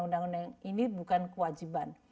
undang undang ini bukan kewajiban